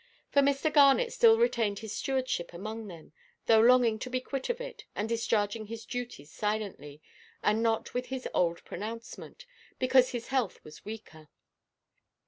For Mr. Garnet still retained his stewardship among them, though longing to be quit of it, and discharging his duties silently, and not with his old pronouncement, because his health was weaker.